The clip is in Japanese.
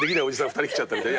２人来ちゃったみたい。